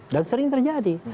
dan sering terjadi